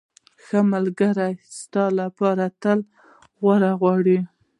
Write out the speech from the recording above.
ښه ملګری ستا لپاره تل غوره غواړي.